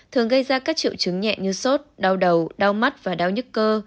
thường gây ra các triệu chứng nhẹ như sốt đau đầu đau mắt và đau nhức cơ